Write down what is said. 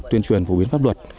tuyên truyền phổ biến pháp luật